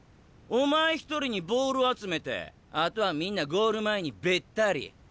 お前一人にボール集めてあとはみんなゴール前にべったり。